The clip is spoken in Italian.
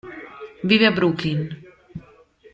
Vive a Brooklyn.